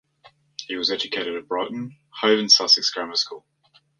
He was educated at Brighton, Hove and Sussex Grammar School.